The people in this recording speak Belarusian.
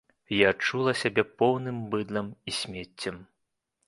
Я адчула сябе поўным быдлам і смеццем.